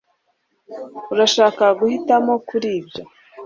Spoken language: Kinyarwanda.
Urashaka guhitamo kuri ibyo